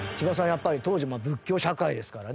やっぱり当時仏教社会ですからね。